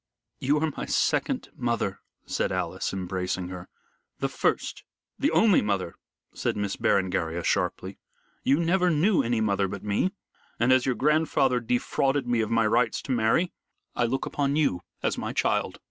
"You are my second mother," said Alice, embracing her. "The first the only mother," said Miss Berengaria, sharply. "You never knew any mother but me, and as your grandfather defrauded me of my rights to marry, I look upon you as my child."